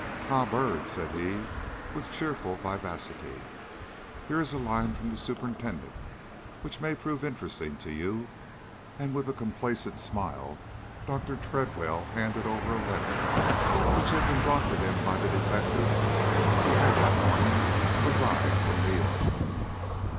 "Ha, Byrd," said he, with cheerful vivacity: "here is a line from the superintendent which may prove interesting to you." And with a complacent smile, Dr. Tredwell handed over a letter which had been brought to him by the detective who had that morning arrived from New York.